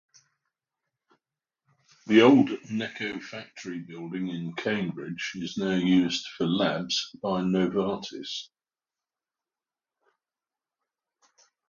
The old Necco factory building in Cambridge is now used for labs by Novartis.